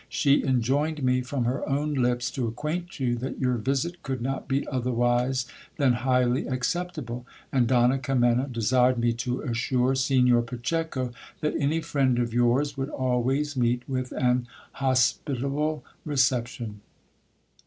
She enjoined me from her own lips to acquaint you, that your visit could not be otherwise than highly acceptable, and Donna Kimena desired me to assure Signor Pacheco, that any friend of yours would always meet with an hospitable reception.